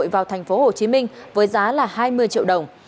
vào thành phố hồ chí minh với giá hai mươi triệu đồng